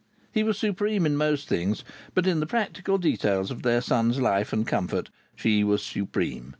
He was supreme in most things, but in the practical details of their son's life and comfort she was supreme.